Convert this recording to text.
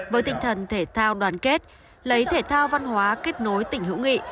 với tinh thần thể thao đoàn kết lấy thể thao văn hóa kết nối tỉnh hữu nghị